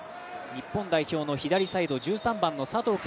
日本代表の左サイド１３番の佐藤恵